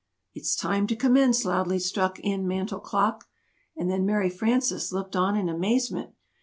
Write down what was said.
'" "It's time to commence!" loudly struck in Mantel Clock. And then Mary Frances looked on in amazement.